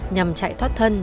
nhằm chạy thoát thân